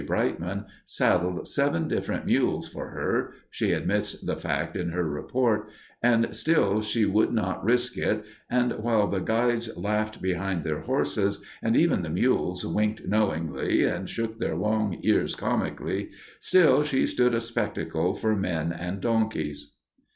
Brightman, saddled seven different mules for her (she admits the fact in her report), and still she would not risk it, and "while the guides laughed behind their horses, and even the mules winked knowingly and shook their long ears comically, still she stood a spectacle for men and donkeys."